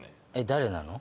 誰なの？